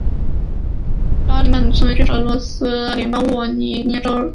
扎利曼农村居民点是俄罗斯联邦沃罗涅日州博古恰尔区所属的一个农村居民点。